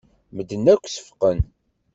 Medden akk seffqen.